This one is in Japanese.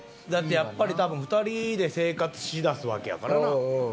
だってやっぱり多分２人で生活しだすわけやからな。